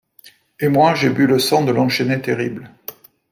Et moi, j’ai bu le sang de l’enchaîné terrible.